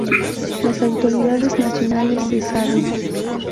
Las autoridades nacionales cesaron.